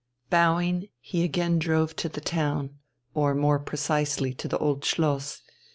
Bowing, he again drove to the town, or more precisely to the Old Schloss.